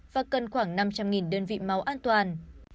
và cần khoảng năm trăm linh đơn vị máu an toàn